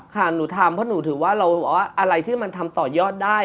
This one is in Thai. ครับหนูทำเพราะถือว่าอะไรที่มันทำต่อยอดได้